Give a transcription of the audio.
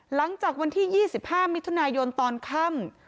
หลังจากวันที่๒๕มิถุนายนตอนค่ำ